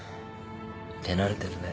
手慣れてるね。